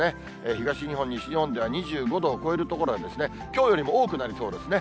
東日本、西日本では２５度を超える所はきょうよりも多くなりそうですね。